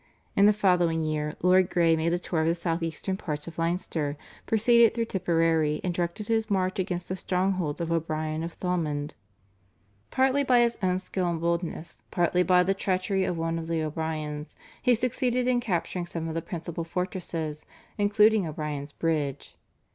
In the following year Lord Grey made a tour of the south eastern parts of Leinster, proceeded through Tipperary, and directed his march against the strongholds of O'Brien of Thomond. Partly by his own skill and boldness, partly also by the treachery of one of the O'Briens, he succeeded in capturing some of the principal fortresses including O'Brien's Bridge.